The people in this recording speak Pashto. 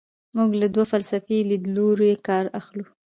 موږ له دوو فلسفي لیدلورو کار اخلو.